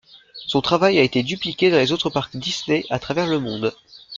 Son travail a été dupliqué dans les autres parcs Disney à travers le monde.